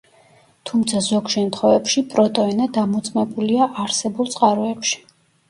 თუმცა, ზოგ შემთხვევებში პროტო ენა დამოწმებულია არსებულ წყაროებში.